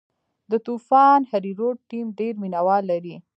د طوفان هریرود ټیم ډېر مینه وال لري.